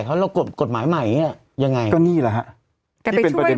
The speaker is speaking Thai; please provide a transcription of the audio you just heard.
เขาแล้วกดกฎหมายใหม่เนี้ยยังไงก็นี่แหละฮะแต่เป็นประเด็น